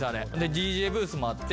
ＤＪブースもあって